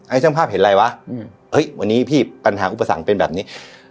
ช่างภาพเห็นอะไรวะเฮ้ยวันนี้พี่ปัญหาอุปสรรคเป็นแบบนี้